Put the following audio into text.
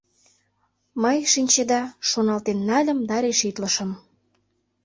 Мый, шинчеда, шоналтен нальым да решитлышым: